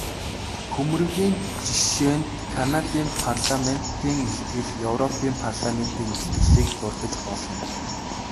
Хөмрөгийн жишээнд Канадын парламентын илтгэл, европын парламентын илтгэлийг дурдаж болно.